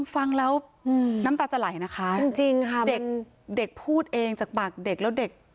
ฟังแล้วน้ำตาจะไหลนะคะจริงค่ะเด็กเด็กพูดเองจากปากเด็กแล้วเด็ก